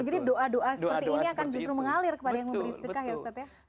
jadi doa doa seperti ini akan justru mengalir kepada yang memberi sedekah ya ustaz ya